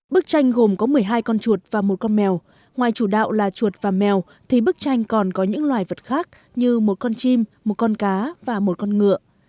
bức tranh gồm có một mươi hai con chuột và một con mèo ngoài chủ đạo là chuột và mèo thì bức tranh còn có những loài vật khác như một con chim một con cá và một con ngựa